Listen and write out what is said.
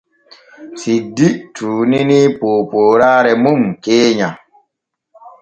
Siddi tuuninii poopooraare mum keenya.